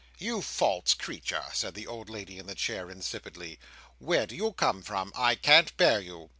"You false creature!" said the old lady in the chair, insipidly. "Where do you come from? I can't bear you."